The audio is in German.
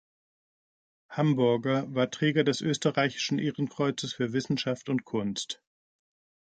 Hamburger war Träger des Österreichischen Ehrenkreuzes für Wissenschaft und Kunst.